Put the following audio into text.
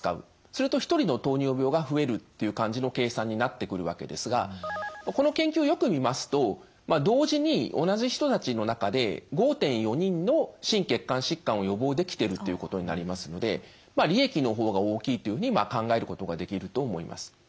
すると１人の糖尿病が増えるという感じの計算になってくるわけですがこの研究をよく見ますと同時に同じ人たちの中で５．４人の心血管疾患を予防できてるっていうことになりますので利益の方が大きいというふうに考えることができると思います。